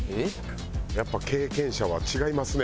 やっぱ経験者は違いますね